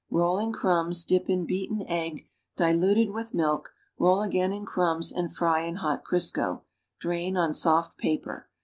Roll in crumbs, dip in beaten egg diluted with milk, roll again in crumbs and fry in hot Crisco; drain on soft paper.